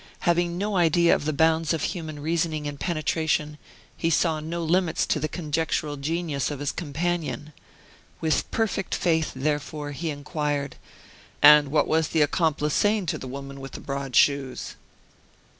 Having no idea of the bounds of human reasoning and penetration, he saw no limits to the conjectural genius of his companion. With perfect faith, therefore, he inquired: "And what was the accomplice saying to the woman with the broad shoes?"